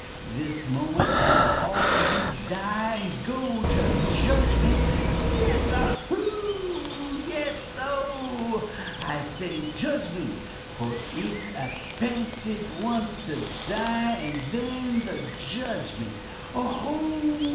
this moment and afore you die and go to judgment! Yes! oho! yes! oh! I say judgment for it's appinted once to die and then the judgment oho!